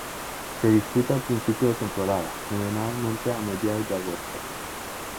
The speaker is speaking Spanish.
Se disputa a principio de temporada, generalmente a mediados de agosto.